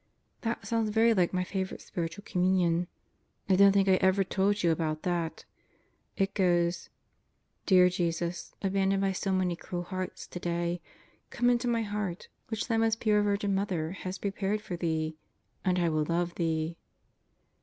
That sounds very like my favorite Spiritual Communion. I don't think I ever told you about that. It goes: "Dear Jesus, abandoned by so many cruel hearts today, come into my heart, which Thy Most Pure Virgin Mother has prepared for Thee, and I will love Thee."